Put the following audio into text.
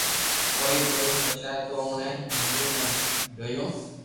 ڪوئي ڪوئي بچيا تو اوڻي ھنڌي ۾ جويو